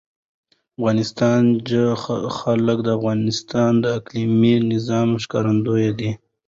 د افغانستان جلکو د افغانستان د اقلیمي نظام ښکارندوی ده.